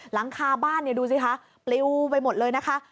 หลังคาบ้านดูสิคะปลิวไปหมดเลยนะคะ